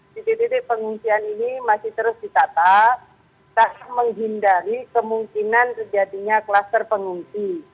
titik titik pengungsian ini masih terus ditata menghindari kemungkinan terjadinya kluster pengungsi